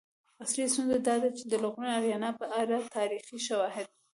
اصلی ستونزه دا ده چې د لرغونې آریانا په اړه تاریخي شواهد